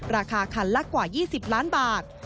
ราคาคันละกว่า๒๐ล้านบาท